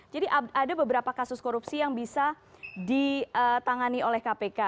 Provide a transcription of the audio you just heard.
jadi ada beberapa kasus korupsi yang bisa ditangani oleh kpk